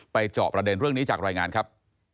จอบประเด็นเรื่องนี้จากรายงานครับ